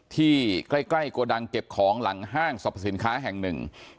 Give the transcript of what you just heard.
ที่ใกล้ใกล้โกดังเก็บของหลังห้างสอบประสิทธิ์ค้าแห่งหนึ่ง